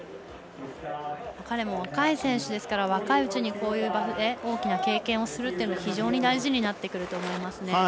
彼も若い選手ですから若いうちに、こういう場で大きな経験をするのが非常に大事になってくると思いますね。